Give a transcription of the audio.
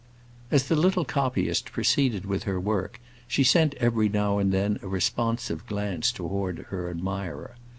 As the little copyist proceeded with her work, she sent every now and then a responsive glance toward her admirer.